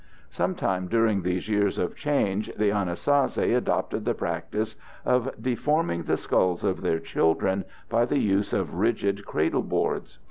] Sometime during these years of change the Anasazi adopted the practice of deforming the skulls of their children by the use of rigid cradleboards.